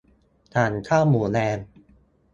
สั่งข้าวหมูแดง